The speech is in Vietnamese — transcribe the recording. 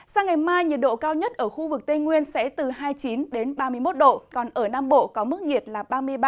sang ngày mai nhiệt độ cao nhất ở khu vực tây nguyên sẽ từ hai mươi chín đến ba mươi một độ còn ở nam bộ có mức nhiệt là ba mươi ba